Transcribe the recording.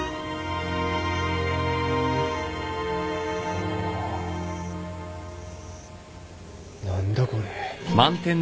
おお何だこれ。